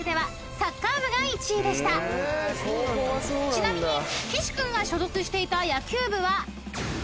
［ちなみに岸君が所属していた］